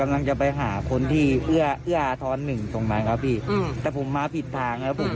แล้วทีนี้เสร็จเขาก็วนกลับมาพาพวกมาเลยครับพี่